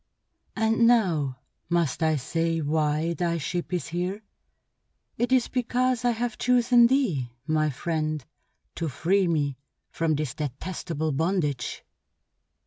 "And now must I say why thy ship is here? It is because I have chosen thee, my friend, to free me from this detestable bondage."